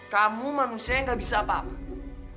kamu manusia yang gak bisa apa apa bu